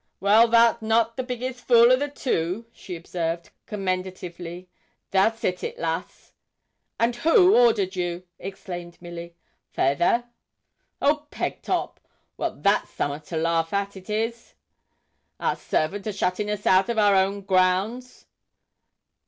'Well, thou'rt not the biggest fool o' the two,' she observed, commendatively, 'thou'st hit it, lass.' 'And who ordered you?' exclaimed Milly. 'Fayther.' 'Old Pegtop. Well, that's summat to laugh at, it is our servant a shutting us out of our own grounds.'